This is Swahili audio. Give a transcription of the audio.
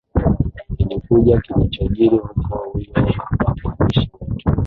ilikujua kilichojiri huko huyu hapa mwandishi wetu